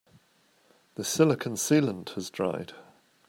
The silicon sealant has dried.